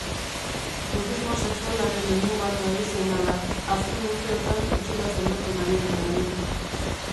Turismo sexualaren helmuga tradizionala, azken urteotan itxuraz aldatu nahian dabil.